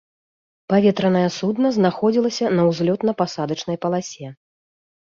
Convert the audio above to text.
Паветранае судна знаходзілася на ўзлётна-пасадачнай паласе.